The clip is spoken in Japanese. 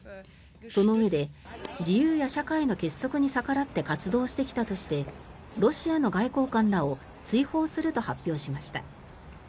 そのうえで、自由や社会の結束に逆らって活動してきたとしてロシアの外交官らを追放すると発表しました。